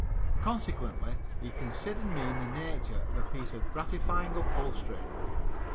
Consequently he considered me in the nature of a piece of gratifying upholstery.